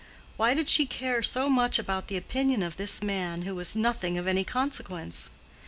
Why did she care so much about the opinion of this man who was "nothing of any consequence"?